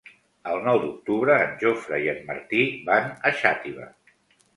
El nou d'octubre en Jofre i en Martí van a Xàtiva.